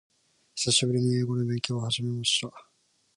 久しぶりに英語の勉強を始めました。